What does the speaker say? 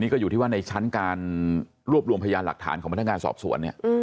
ก็อยู่ที่ว่าในชั้นการรวบรวมพยานหลักฐานของพนักงานสอบสวนเนี่ย